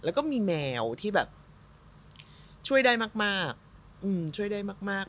แล้วก็มีแนวที่แบบช่วยได้มากช่วยได้มาก